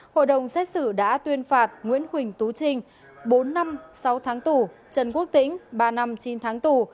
hội đồng xét xử đã tuyên phạt nguyễn huỳnh tú trinh bốn năm sáu tháng tù trần quốc tĩnh ba năm chín tháng tù